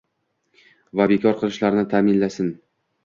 va bekor qilishlarini ta’minlasin.